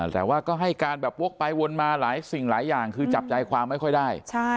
แต่ว่าก็ให้การแบบวกไปวนมาหลายสิ่งหลายอย่างคือจับใจความไม่ค่อยได้